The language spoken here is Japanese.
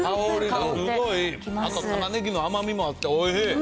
たまねぎの甘みもあっておいしい。